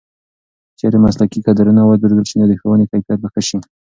که چېرې مسلکي کدرونه وروزل شي نو د ښوونې کیفیت به ښه شي.